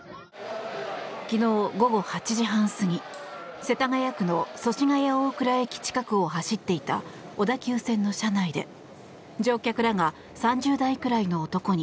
昨日午後８時半過ぎ世田谷区の祖師ヶ谷大蔵駅近くを走っていた小田急線の車内で乗客らが３０代くらいの男に